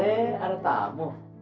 eh ada tamu